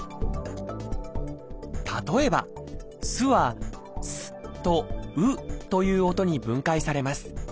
例えば「す」は「Ｓ」と「Ｕ」という音に分解されます。